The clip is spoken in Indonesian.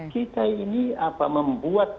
kita ini membuat